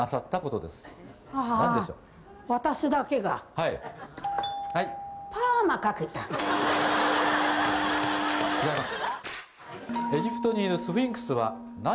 はい違います